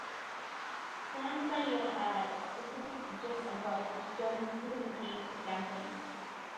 "Stand by your ad" isn't just about restoring civility to campaigns.